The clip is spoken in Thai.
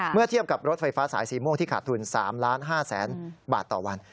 เทียบกับรถไฟฟ้าสายสีม่วงที่ขาดทุน๓๕๐๐๐๐บาทต่อวัน